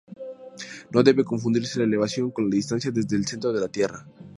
No debe confundirse la elevación con la distancia desde el centro de la Tierra.